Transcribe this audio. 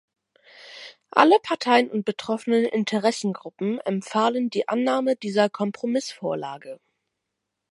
Alle Parteien und betroffenen Interessengruppen empfahlen die Annahme dieser Kompromissvorlage.